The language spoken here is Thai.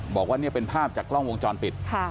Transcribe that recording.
บอกว่านี่เป็นภาพจากกล้องวงจรปิด